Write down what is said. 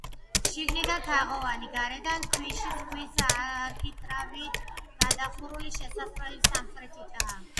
შიგნიდან თაღოვანი, გარედან ქვიშაქვის არქიტრავით გადახურული შესასვლელი სამხრეთითაა.